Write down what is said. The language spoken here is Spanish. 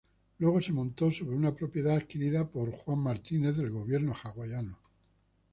Luego se montó sobre una propiedad adquirida por John Lewis del gobierno hawaiano.